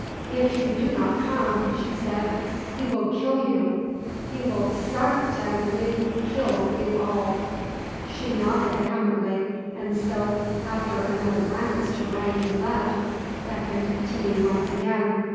"If you do not come," she said, "he will kill you! He will sar tain ly kill you all!" She nodded vehemently, and so, after another glance to right and left, beckoned to me once again.